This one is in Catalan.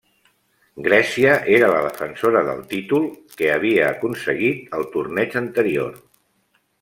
Grècia era la defensora del títol, que havia aconseguit al torneig anterior.